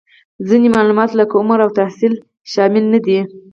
ځینې معلومات لکه عمر او تحصیل شامل نهدي